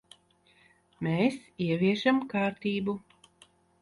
Mēs ieviešam kārtību.